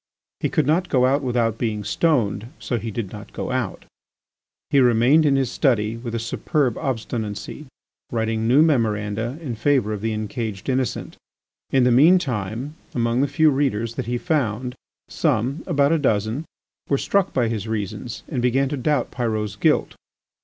He could not go out without being stoned, so he did not go out. He remained in his study with a superb obstinacy, writing new memoranda in favour of the encaged innocent. In the mean time among the few readers that he found, some, about a dozen, were struck by his reasons and began to doubt Pyrot's guilt.